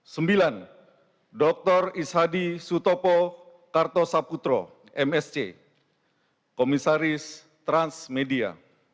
sembilan doktor ishadi sutopo kartosaputro msc komisaris transmedia